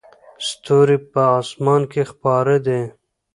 ستوري په اسمان کې خپاره دي.